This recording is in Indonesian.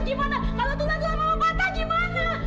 gimana kalau tuntan tuntan mama patah gimana